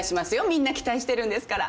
みんな期待してるんですから。